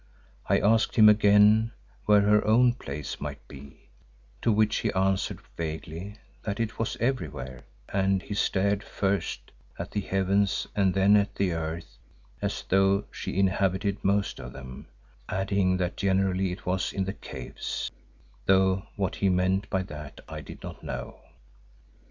I asked him again where her own place might be, to which he answered vaguely that it was everywhere and he stared first at the heavens and then at the earth as though she inhabited most of them, adding that generally it was "in the Caves," though what he meant by that I did not know.